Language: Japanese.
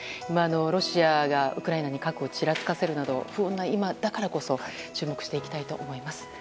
ロシアがウクライナに核をちらつかせなど不穏な今だからこそ注目していきたいですね。